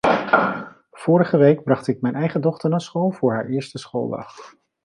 Vorige week bracht ik mijn eigen dochter naar school voor haar eerste schooldag.